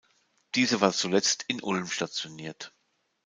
Diese war zuletzt in Ulm stationiert.